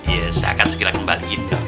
ya saya akan segera kembali